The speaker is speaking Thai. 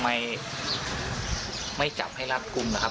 ส่งมาขอความช่วยเหลือจากเพื่อนครับ